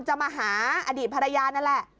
จะมาหาอดีตภรรยานั่นแหละ